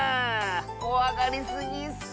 こわがりすぎッス！